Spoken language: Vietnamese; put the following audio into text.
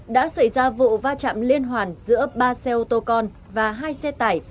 đã xảy ra vụ va chạm liên hoàn giữa ba xe ô tô con và hai xe tải